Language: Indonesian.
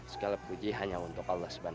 sekalipuji hanya untuk allah